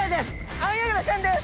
アオヤガラちゃんです。